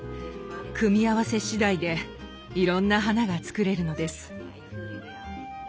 組み合わせしだいでいろんな花が作れるのです。